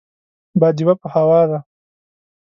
باديوه په هوا ده.